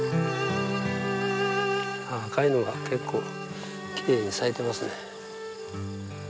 赤いのが結構きれいに咲いてますね。